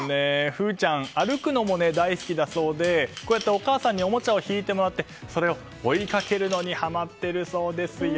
風音ちゃん歩くのも大好きなそうでこうしてお母さんにおもちゃを引いてもらってそれを追いかけるのにはまっているそうですよ。